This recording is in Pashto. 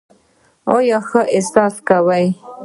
ایا ښه احساس کوئ؟